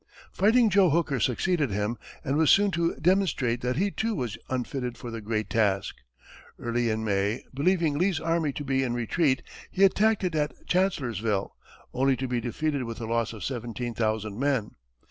"Fighting Joe" Hooker succeeded him, and was soon to demonstrate that he, too, was unfitted for the great task. Early in May, believing Lee's army to be in retreat, he attacked it at Chancellorsville, only to be defeated with a loss of seventeen thousand men.